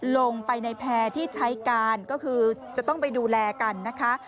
ลงไปในแพร่ที่ใช้การก็คือจะต้องไปดูแลกันนะคะ